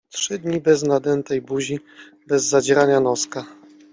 Trzy dni bez nadętej buzi, bez zadzierania noska.